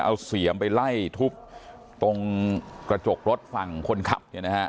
เอาเสียมไปไล่ทุบตรงกระจกรถฝั่งคนขับเนี่ยนะฮะ